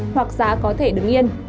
hoặc giá có thể đứng yên